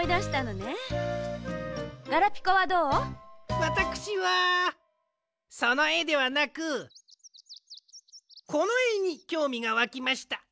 わたくしはそのえではなくこのえにきょうみがわきました。